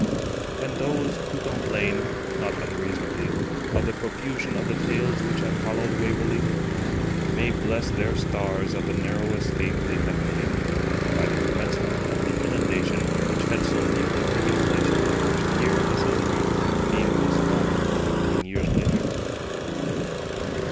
] And those who complain, not unreasonably, of the profusion of the Tales which have followed Waverley, may bless their stars at the narrow escape they have made, by the commencement of the inundation, which had so nearly taken place in the first year of the century, being postponed for fifteen years later.